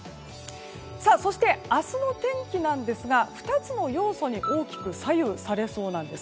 そして、明日の天気ですが２つの要素に大きく左右されそうなんです。